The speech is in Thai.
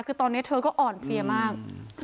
คือตอนนี้เธอก็อ่อนเพลียมาก